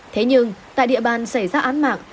thế nhưng tại địa bàn xảy ra án mạng